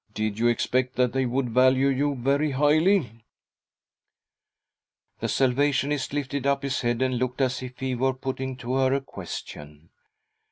Did you expect that they would value you very highly ?"• The Salvationist lifted up his head and looked as if he were putting to her a question.